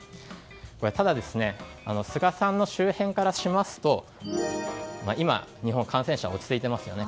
ただ、菅さんの周辺からしますと今、日本は感染者が落ち着いていますよね。